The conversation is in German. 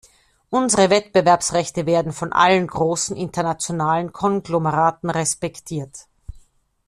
Unsere Wettbewerbsrechte werden von allen großen internationalen Konglomeraten respektiert.